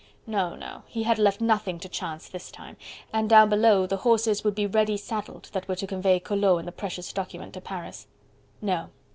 No, no! he had left nothing to chance this time, and down below the horses would be ready saddled, that were to convey Collot and the precious document to Paris. No!